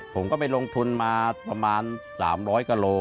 ผมก็ไปลงทุนมาประมาณ๓๐๐กะโล